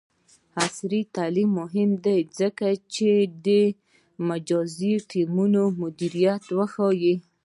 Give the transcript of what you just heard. عصري تعلیم مهم دی ځکه چې د مجازی ټیمونو مدیریت ښيي.